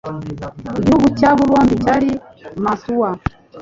igihugu cyabo bombi cyari Mantua